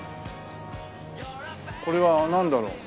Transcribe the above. これはなんだろう？